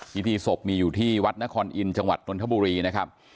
พิธีศพมีอยู่ที่วัดนครอินทร์จังหวัดนทบุรีนะครับ